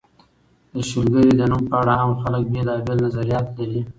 د شلګر د نوم په اړه عام خلک بېلابېل نظریات لري.